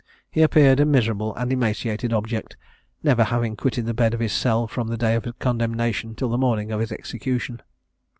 He appeared a miserable and emaciated object, never having quitted the bed of his cell from the day of condemnation till the morning of his execution.